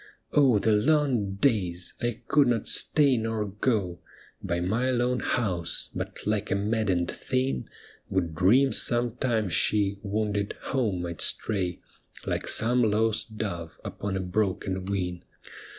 Oh, the long days !— I could not stay nor go By my lone house, but like a maddened thing Would dream some time she, wounded, home might stray Like some lost dove upon a broken wing.